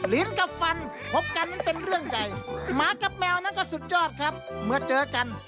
ลิ้นกับฟันพบกันมันเป็นเรื่องใจ